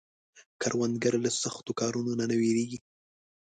کروندګر له سختو کارونو نه نه ویریږي